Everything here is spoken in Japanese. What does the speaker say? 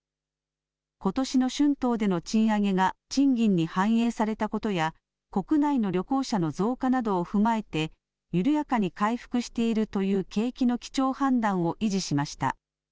ことしの春闘での賃上げが賃金に反映されたことや国内の旅行者の増加などを踏まえて緩やかに回復しているという景気の基調判断を維持しました。